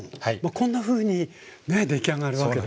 こんなふうにね出来上がるわけですね。